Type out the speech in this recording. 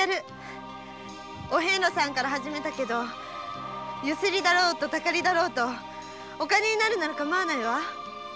お遍路さんから始めたけどユスリだろうとタカリだろうとお金になるなら構わないわ。